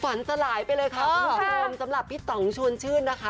สลายไปเลยค่ะคุณผู้ชมสำหรับพี่ต่องชวนชื่นนะคะ